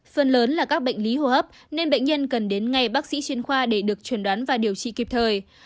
phần lớn là các bệnh lý hô hấp nên bệnh nhân cần đến ngay bác sĩ chuyên khoa để được truyền đoán và điều trị kịp thời